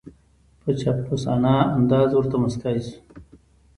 په چاپلوسانه انداز ورته موسکای شو